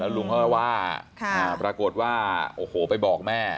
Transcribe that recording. ลุงเขาก็ว่าปรากฏว่าโอ้โหไปบอกแม่